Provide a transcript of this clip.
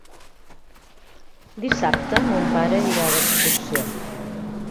Dissabte mon pare irà d'excursió.